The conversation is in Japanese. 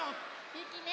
ゆきね